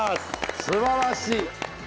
すばらしい。